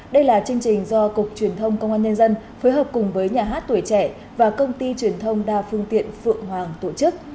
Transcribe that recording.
đây là chương trình do cục truyền thông công an nhân dân phối hợp cùng với nhà hát tuổi trẻ và công ty truyền thông đa phương tiện phượng hoàng tổ chức